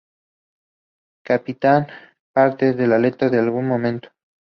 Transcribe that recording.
Citan partes de la letra en algún momento.